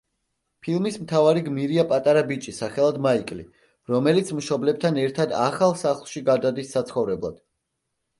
ფილმის მთავარი გმირია პატარა ბიჭი სახელად მაიკლი, რომელიც მშობლებთან ერთად ახალ სახლში გადადის საცხოვრებლად.